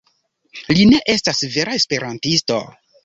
Li ne estas vera esperantisto